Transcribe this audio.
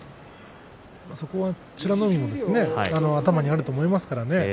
そこは美ノ海も頭にあると思いますからね。